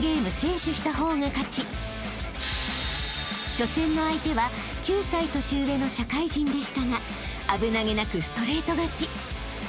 ［初戦の相手は９歳年上の社会人でしたが危なげなくストレート勝ち］